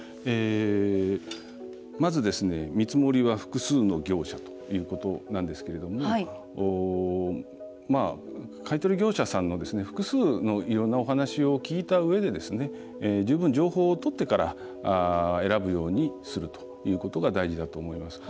まず見積もりは複数の業者とということなんですけど買い取り業者さんの複数のいろんなお話を聞いたうえで十分、情報を取ってから選ぶようにするということが大事だと思います。